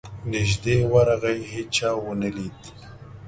نیژدې ورغی هېچا ونه لید.